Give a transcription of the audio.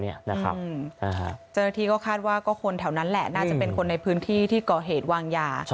เจ้าหน้าที่ก็คาดว่าก็คนแถวนั้นแหละน่าจะเป็นคนในพื้นที่ที่ก่อเหตุวางยา